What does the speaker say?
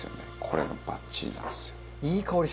これがバッチリなんですよ。